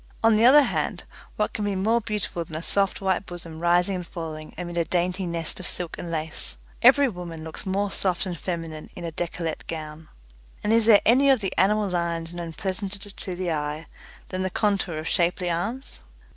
On the other hand, what can be more beautiful than a soft white bosom rising and falling amid a dainty nest of silk and lace? Every woman looks more soft and feminine in a decollete gown. And is there any of the animal lines known pleasanter to the eye than the contour of shapely arms?